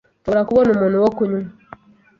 Nshobora kubona umuntu uwo kunywa?